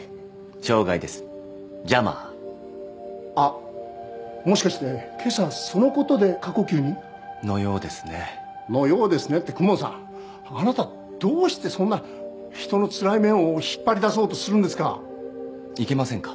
障害ですジャマーあっもしかして今朝そのことで過呼吸に？のようですね「のようですね」って公文さんあなたどうしてそんな人の辛い面を引っ張り出そうとするんですかいけませんか？